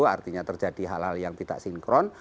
artinya terjadi hal hal yang tidak sinkron